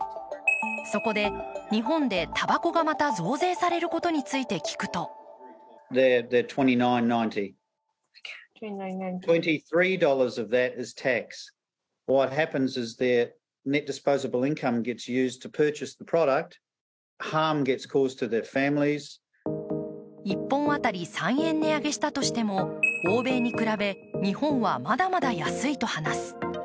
そこで日本でたばこがまた増税されることについて聞くと１本当たり３円値上げしたとしても欧米に比べ、日本はまだまだ安いと話す。